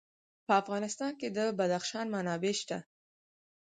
په افغانستان کې د بدخشان منابع شته.